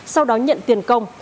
sau đó nhận tiền công